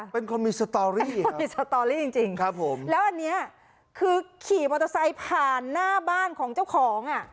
เป็นคอมมีสตอรี่จริงแล้วอันนี้คือขี่มอเตอร์ไซค์ผ่านหน้าบ้านของเจ้าของ